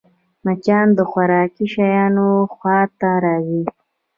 مچان د خوراکي شيانو خوا ته راځي